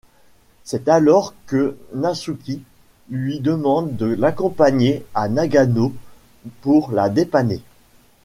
C'est alors que Natsuki lui demande de l'accompagner à Nagano pour la dépanner.